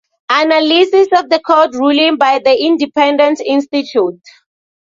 Analysis of the court ruling by the Independence Institute.